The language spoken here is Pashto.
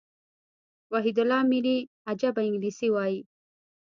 وحيدالله اميري عجبه انګلېسي وايي.